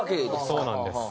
そうなんです。